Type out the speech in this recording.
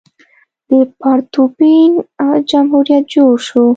د پارتنوپین جمهوریت جوړ شو.